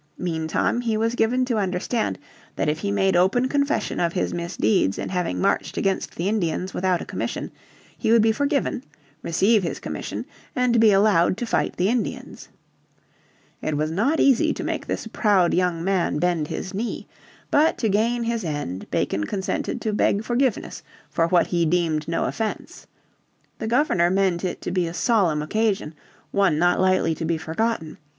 Meantime he was given to understand that if he made open confession of his misdeeds in having marched against the Indians without a commission, he would be forgiven, receive his commission, and be allowed to fight the Indians. It was not easy to make this proud young man bend his knee. But to gain his end Bacon consented to beg forgiveness for what he deemed no offence. The Governor meant it to be a solemn occasion, one not lightly to be forgotten.